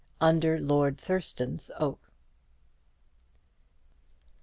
UNDER LORD THURSTON'S OAK.